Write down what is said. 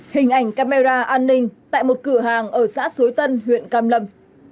hình ảnh camera an ninh tại một cửa hàng ở xã suối tân huyện cam lâm